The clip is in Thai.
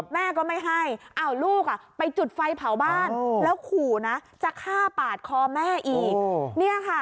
แม่ก็ไม่ให้ลูกไปจุดไฟเผาบ้านแล้วขู่นะจะฆ่าปาดคอแม่อีก